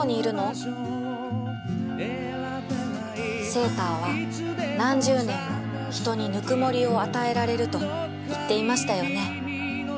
セーターは何十年も人にぬくもりを与えられると言っていましたよね？